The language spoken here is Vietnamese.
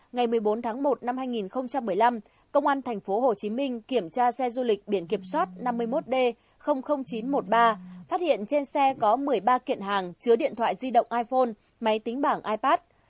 ngày một mươi bốn tháng một năm hai nghìn một mươi năm công an tp hcm kiểm tra xe du lịch biển kiểm soát năm mươi một d chín trăm một mươi ba phát hiện trên xe có một mươi ba kiện hàng chứa điện thoại di động iphone máy tính bảng ipad